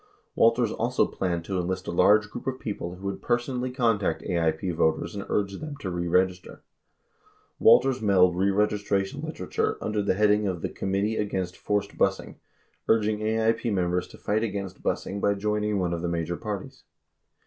Walters also planned to enlist a large group of people who would personally contact AIP voters and urge them to re register. Walters mailed re registration literature under the heading of the "Committee Against Forced Busing'' urging AIP members to fight against busing by joining one of the major parties.